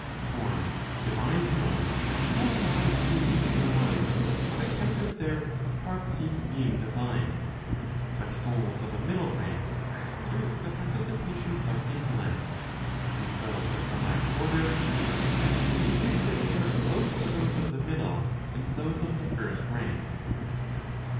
For divine souls are more allied to the one , on account of their hyparxis being divine; but souls of a middle rank, through.the participation of intellect; and those of the last order, are essentially dissimilar both to those of the middle, and those of the first rank.